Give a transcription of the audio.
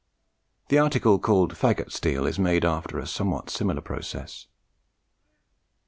The article called FAGGOT steel is made after a somewhat similar process.